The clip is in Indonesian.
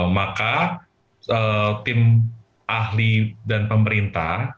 maka tim ahli dan pemerintah